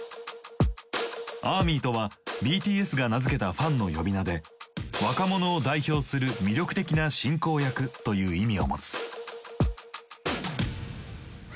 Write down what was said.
アーミーとはＢＴＳが名付けたファンの呼び名で「若者を代表する魅力的な進行役」という意味を持つ。